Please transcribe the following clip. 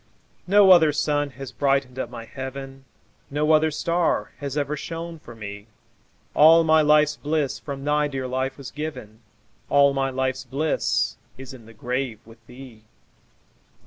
No other sun has brightened up my heaven, No other star has ever shone for me; All my life's bliss from thy dear life was given, All my life's bliss is in the grave with thee.